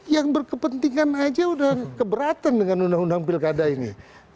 yang berkepentingan aja udah keberatan dengan undang undang pilkada ini